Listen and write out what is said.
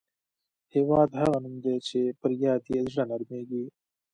هېواد هغه نوم دی چې پر یاد یې زړه نرميږي.